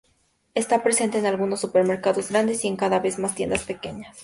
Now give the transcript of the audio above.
Está presente en algunos supermercados grandes y en cada vez más tiendas pequeñas.